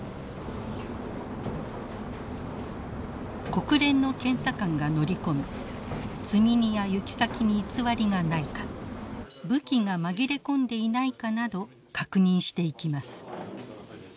国連の検査官が乗り込み積み荷や行き先に偽りがないか武器が紛れ込んでいないかなど確認していきます。